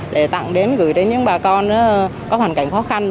để tặng đến gửi đến những bà con có hoàn cảnh khó khăn